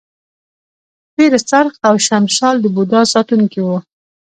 شیر سرخ او شمشال د بودا ساتونکي وو